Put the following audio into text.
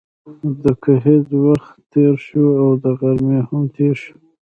د ګهیځ وخت تېر شو او د غرمې هم تېر شو.